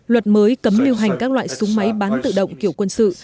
luật mới cấm lưu hành các loại súng máy bán tự động kiểu quân sự